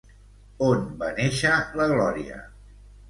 On va néixer la Gloria?